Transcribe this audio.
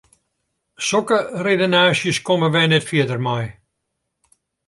Sokke redenaasjes komme wy net fierder mei.